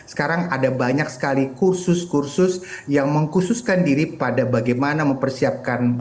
sekarang ada banyak sekali kursus kursus yang mengkhususkan diri pada bagaimana mempersiapkan